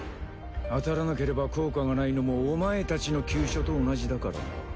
当たらなければ効果がないのもお前たちの急所と同じだからな。